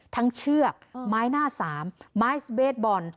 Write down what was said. เชือกไม้หน้าสามไม้สเบสบอล